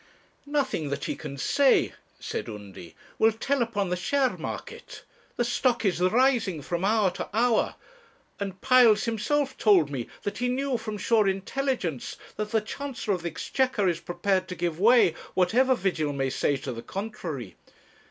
'Nothing that he can say,' said Undy, 'will tell upon the share market. The stock is rising from hour to hour; and Piles himself told me that he knew from sure intelligence that the Chancellor of the Exchequer is prepared to give way, whatever Vigil may say to the contrary.